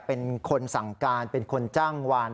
เป็นคนสั่งการเป็นคนจ้างวาน